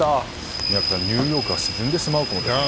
宮家さん、ニューヨークが沈んでしまうかもしれないと。